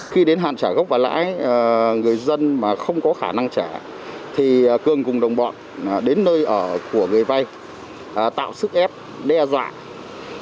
khi đến hạn trả gốc và lãi người dân mà không có khả năng trả thì cường cùng đồng bọn đến nơi ở của người vay tạo sức ép đe dọa